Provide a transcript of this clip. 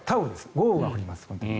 豪雨が降ります。